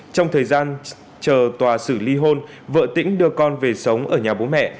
trong thời gian chờ tòa sử ly hôn vợ tỉnh đưa con về sống ở nhà bố mẹ